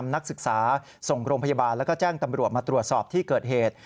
นักศึกษาส่งโรงพยาบาลแล้วก็แจ้งตำรวจมาตรวจสอบที่เกิดเหตุ